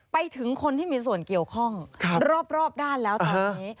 ไปถึงคนที่มีส่วนเกี่ยวข้องรอบด้านแล้วตอนนี้